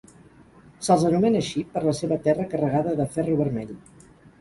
Se'ls anomena així per la seva terra carregada de ferro vermell.